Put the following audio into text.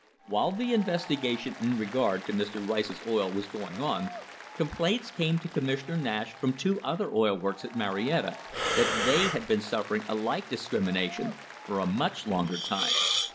* While the investigation in regard to Mr. Rice's oil was going on, complaints came to Commissioner Nash from two other oil works at Marietta that they had been suffering a like discrimination for a much longer time.